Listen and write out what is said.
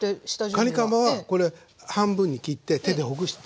かにかまは半分に切って手でほぐして。